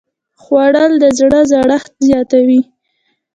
خوړل د زړه سړښت زیاتوي